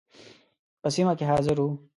په سیمه کې حاضر وو.